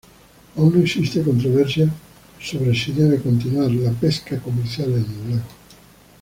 Aun existe controversia sobre si debe continuar la pesca comercial en el lago.